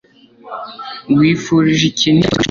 wifurije ikintu icyo ari cyo cyose kandi ushidikanya